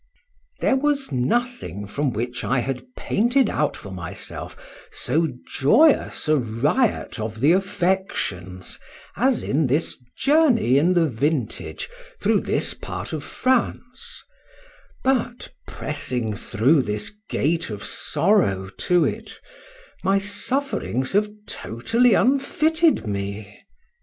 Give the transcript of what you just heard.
THERE was nothing from which I had painted out for my self so joyous a riot of the affections, as in this journey in the vintage, through this part of France; but pressing through this gate, of sorrow to it, my sufferings have totally unfitted me.